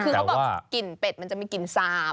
คือเขาบอกกลิ่นเป็ดมันจะมีกลิ่นสาบ